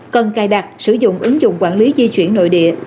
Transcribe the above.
cần cài đặt sử dụng ứng dụng quản lý di chuyển nội địa